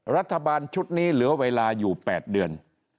รัฐบาลชุดนี้เหลือเวลาอยู่๘เดือน